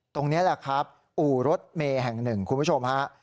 ตรงนี้แหละครับอู่รถเมย์แห่งหนึ่งคุณผู้ชมฮะ